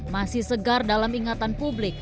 masih segar dalam ingatan publik